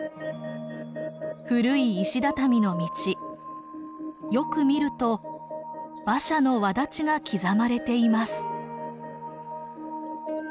古い石畳の道よく見ると馬車の轍が刻まれています。